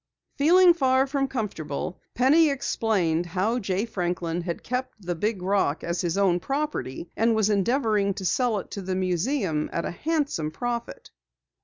Feeling far from comfortable, Penny explained how Jay Franklin had kept the big rock as his own property and was endeavoring to sell it to the museum at a handsome profit.